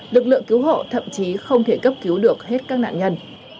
lực lượng cứu hộ thậm chí không thể cấp cứu được hết các nạn nhân